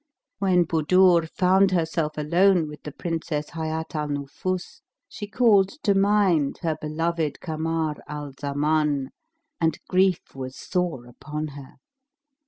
When Budur found herself alone with the Princess Hayat al Nufus, she called to mind her beloved Kamar al Zaman and grief was sore upon her.